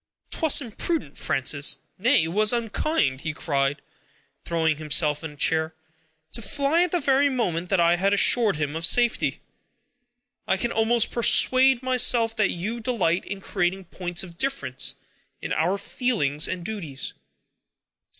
"'Twas imprudent, Frances; nay, it was unkind," he cried, throwing himself in a chair, "to fly at the very moment that I had assured him of safety! I can almost persuade myself that you delight in creating points of difference in our feelings and duties."